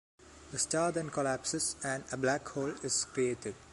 The star then collapses and a black hole is created.